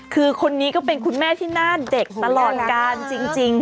คือคนนี้ก็เป็นคุณแม่ที่หน้าเด็กตลอดการจริง